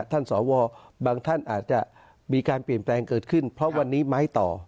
สวบางท่านอาจจะมีการเปลี่ยนแปลงเกิดขึ้นเพราะวันนี้ไม้ต่อ